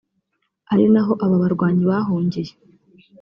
ari naho aba barwanyi bahungiye